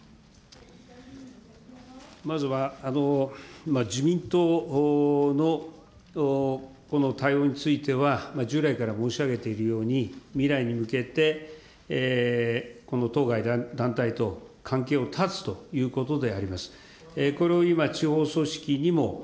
まずは、自民党のこの対応については、従来から申し上げているように、未来に向けて、当該団体と関係を断つということであります。